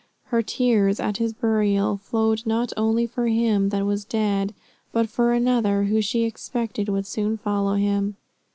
Her tears at his burial flowed not only for him that was dead, but for another who she expected would soon follow him.